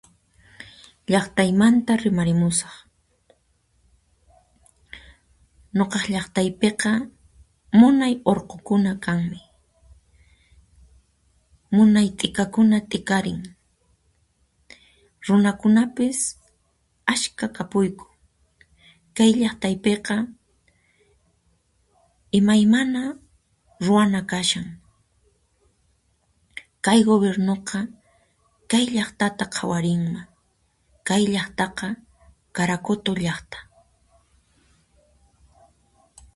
Laqtaymanta rimarimusaq: Ñuqaq llaqtaypiqa munay urqukuna kanmi, munay t'ika kuna t'ikarin, runakunapis asqha kapuyku, kay llaqtaypiqa imaymana ruana kashan, kay gubirnuqa kay llaqtata qhawarinman, kay llaqtaqa Caracoto llaqta.